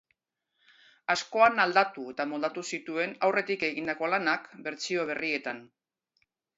Askoan aldatu eta moldatu zituen aurretik egindako lanak, bertsio berrietan.